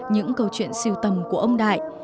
những câu chuyện siêu tầm của ông đại